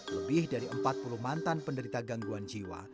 lebih dari empat puluh mantan penderita gangguan jiwa